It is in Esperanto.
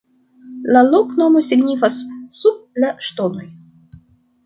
La loknomo signifas: "sub la ŝtonoj".